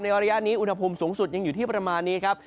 ระยะนี้อุณหภูมิสูงสุดยังอยู่ที่ประมาณนี้ครับ